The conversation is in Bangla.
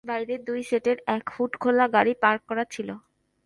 বাইরে দুই সিটের এক হুডখোলা গাড়ি পার্ক করা ছিল।